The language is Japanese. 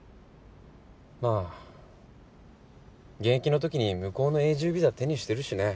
まあ現役の時に向こうの永住ビザ手にしてるしね。